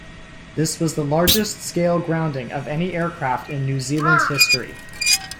This was the largest-scale grounding of any aircraft in New Zealand's history.